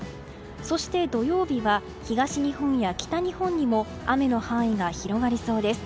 そして土曜日は東日本や北日本にも雨の範囲が広がりそうです。